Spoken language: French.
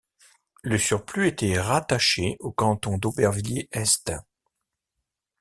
Le surplus était rattachée au canton d'Aubervilliers-Est.